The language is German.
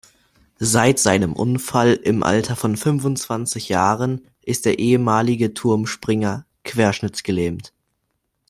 Seit seinem Unfall im Alter von fünfundzwanzig Jahren ist der ehemalige Turmspringer querschnittsgelähmt.